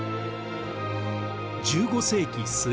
１５世紀末